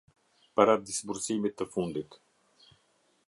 Para disbursimit te fundit.